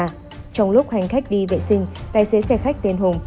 trong lúc hành khách đi vệ sinh tài xế xe khách tên hùng